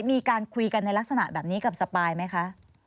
มีการคุยกันในลักษณะแบบนี้กับสปายไหมคะ